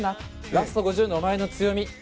ラスト５０のお前の強み